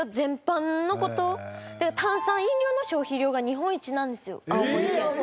炭酸飲料の消費量が日本一なんですよ青森県。